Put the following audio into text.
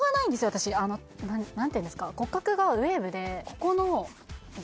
私何ていうんですか